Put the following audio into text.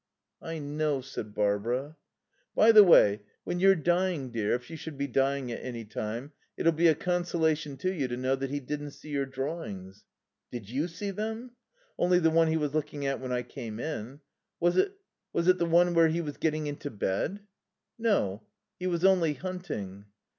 "I know," said Barbara. "By the way, when you're dying dear, if you should be dying at any time, it'll be a consolation to you to know that he didn't see your drawings " "Did you see them?" "Only the one he was looking at when I came in." "Was it was it the one where he was getting into bed?" "No. He was only hunting."